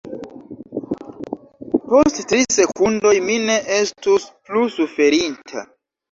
Post tri sekundoj mi ne estus plu suferinta.